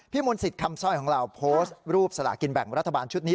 มนต์สิทธิ์คำสร้อยของเราโพสต์รูปสลากินแบ่งรัฐบาลชุดนี้